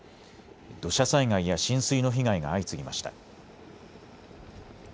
土砂災害や浸水の被害が相次ぎました。